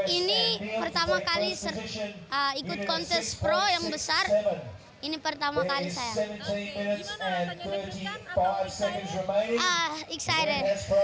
ini pertama kali ikut kontes pro yang besar ini pertama kali saya excire